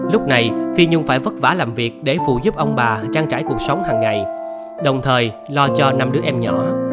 lúc này phi nhung phải vất vả làm việc để phụ giúp ông bà trang trải cuộc sống hàng ngày đồng thời lo cho năm đứa em nhỏ